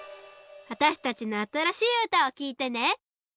わたしたちのあたらしいうたをきいてね！